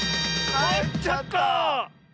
かえっちゃった！